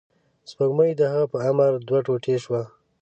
سپوږمۍ د هغه په امر دوه ټوټې شوه.